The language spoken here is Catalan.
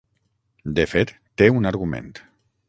De fet té un argument.